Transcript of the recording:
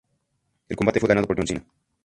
El combate fue ganado por John Cena.